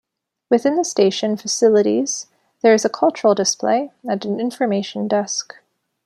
Within the station facilities there is a cultural display and an information desk.